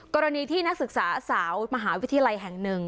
กรณีที่นักศึกษาสาวมหาวิทยาลัยแห่งหนึ่ง